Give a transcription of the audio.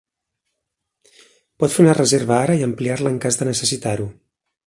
Pot fer una reserva ara i ampliar-la en cas de necessitar-ho.